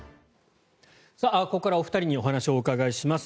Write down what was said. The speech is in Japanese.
ここからお二人にお話をお伺いします。